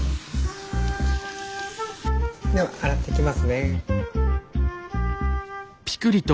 では洗っていきますね。